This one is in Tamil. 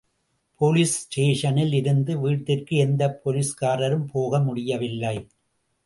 போலீஸ் ஸ்டேஷனில் இருந்து வீட்டிற்கு எந்தப் போலீஸ்காரரும் போக முடியவில்லை.